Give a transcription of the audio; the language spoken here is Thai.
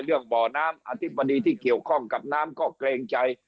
เรื่องบ่อน้ำอธิบดีที่เกี่ยวข้องกับน้ำก็เกรงใจ